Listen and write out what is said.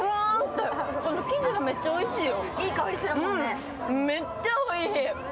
この生地がめっちゃおいしいよ。